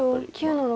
白９の六。